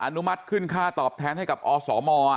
นุมัติขึ้นค่าตอบแทนให้กับอสม